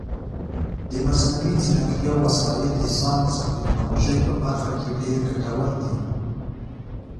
د مصنوعي ځیرکتیا وسایل د ساینس او ټکنالوژۍ په برخه کې ډېر ګټور دي.